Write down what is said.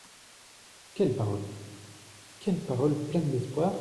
Quelle parole ? quelle parole pleine d’espoir ?